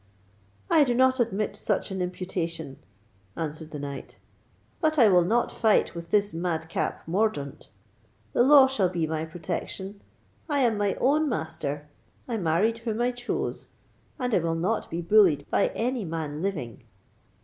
"I do not admit such an imputation," answered the knight; "but I will not fight with this mad cap Mordaunt. The law shall be my protection. I am my own master—I married whom I chose—and I will not be bullied by any man living."